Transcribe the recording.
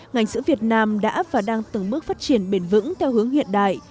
ngành sữa việt nam đã và đang từng bước phát triển bền vững theo hướng hiện đại